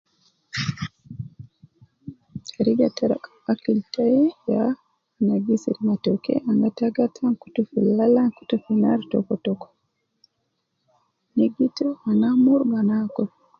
Teriga te rakab akil tai ya ana gishir matooke, ana gata gata, ana kutu fi laala, ana kutu fi naar tokotoko, nigitu, ana amuru, ana akul